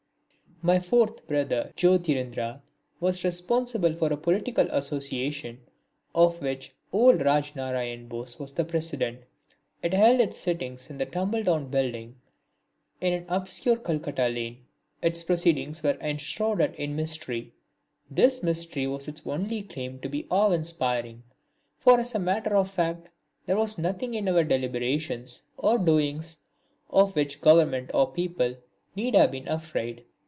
My fourth brother, Jyotirindra, was responsible for a political association of which old Rajnarain Bose was the president. It held its sittings in a tumbledown building in an obscure Calcutta lane. Its proceedings were enshrouded in mystery. This mystery was its only claim to be awe inspiring, for as a matter of fact there was nothing in our deliberations or doings of which government or people need have been afraid.